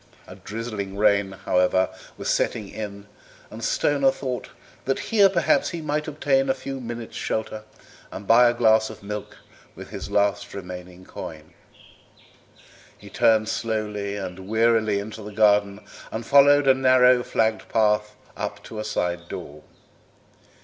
A drizzling rain, however, was setting in, and Stoner thought that here perhaps he might obtain a few minutes' shelter and buy a glass of milk with his last remaining coin. He turned slowly and wearily into the garden and followed a narrow, flagged path up to a side door.